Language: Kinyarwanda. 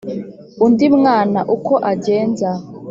undi mwana uko agenza!”